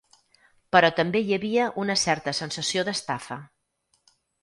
Però també hi havia una certa sensació d'estafa.